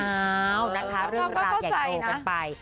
เอ้านะคะเรื่องรักอย่างโดนกันไป